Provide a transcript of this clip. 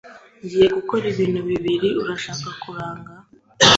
Ngiye gukora ibintu bibiri. Urashaka kuranga?